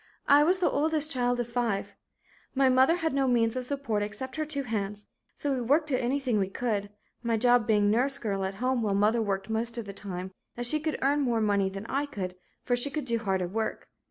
I was the oldest child of five. My mother had no means of support except her two hands, so we worked at anything we could, my job being nurse girl at home while mother worked most of the time, as she could earn more money than I could, for she could do harder work.